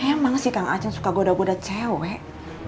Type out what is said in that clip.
emang sih kang aceh suka goda goda cewek